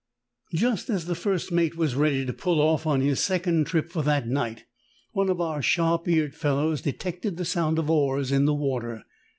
Just as the first mate was ready to pull off on his second trip for that night, one of our sharp eared fellows detected the sound of oars in the water.